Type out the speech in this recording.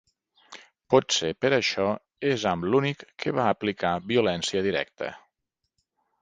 Potser per això és amb l'únic que va aplicar violència directa.